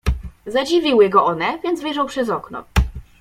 "Zadziwiły go one, więc wyjrzał przez okno."